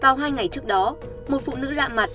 vào hai ngày trước đó một phụ nữ lạ mặt